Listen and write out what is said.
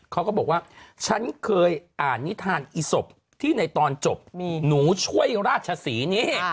เขาก็บอกว่าฉันเคยอ่านนิทานอีศพที่ในตอนจบหนูช่วยราชศรีนี้